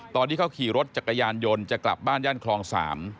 ตอนที่เขาขี่รถจักรยานยนต์จะกลับบ้านย่านคลอง๓